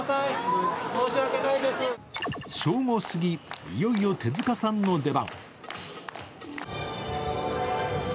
正午過ぎ、いよいよ手塚さんの出番。